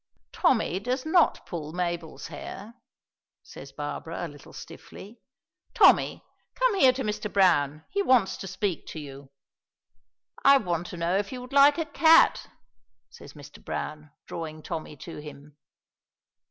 "Tommy does not pull Mabel's hair," says Barbara a little stiffly. "Tommy, come here to Mr. Browne; he wants to speak to you." "I want to know if you would like a cat?" says Mr. Browne, drawing Tommy to him.